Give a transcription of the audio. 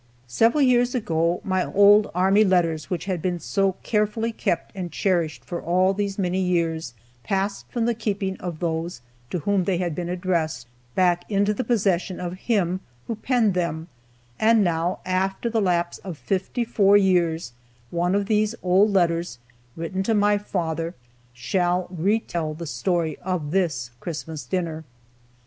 Several years ago my old army letters, which had been so carefully kept and cherished for all these many years, passed from the keeping of those to whom they had been addressed, back into the possession of him who penned them, and now, after the lapse of fifty four years, one of these old letters, written to my father, shall re tell the story of this Christmas dinner.